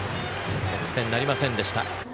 得点なりませんでした。